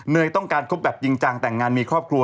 ต้องการคบแบบจริงจังแต่งงานมีครอบครัว